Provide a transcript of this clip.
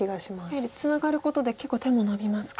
やはりツナがることで結構手ものびますか。